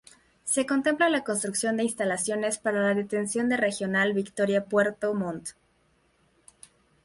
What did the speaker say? Se contempla la construcción de instalaciones para la detención del Regional Victoria-Puerto Montt